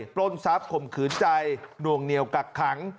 ปล้นทรัพย์ข่มขืนใจหน่วงเหนียวกักขัง